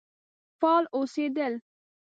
فعال اوسېدل.